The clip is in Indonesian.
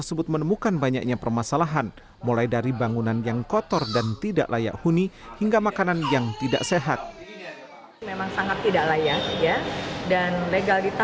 sebelum meninggal m z sempat dirawat di rumah sakit umum daerah arifin ahmad karena sakit